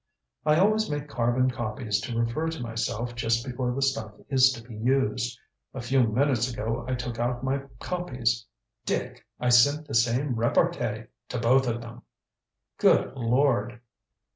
"I always make carbon copies to refer to myself just before the stuff is to be used. A few minutes ago I took out my copies. Dick! I sent the same repartee to both of them!" "Good lord!"